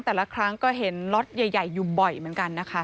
แต่ละครั้งก็เห็นล็อตใหญ่อยู่บ่อยเหมือนกันนะคะ